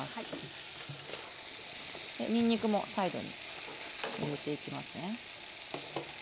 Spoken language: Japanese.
にんにくもサイドに入れていきますね。